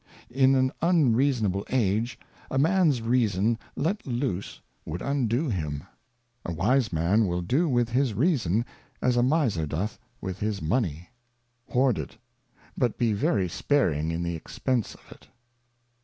In an unreasonable Age, a Man's Reason let loose would undo him. A wise Man will do with his Reason as a Miser doth with his Money, hoard it, but be very sparing in the Expence of it.